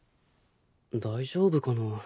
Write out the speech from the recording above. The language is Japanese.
大丈夫かな。